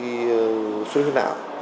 với xuất huyết não